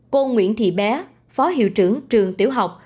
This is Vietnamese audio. cô nguyễn thị bé phó hiệu trưởng trường tiểu học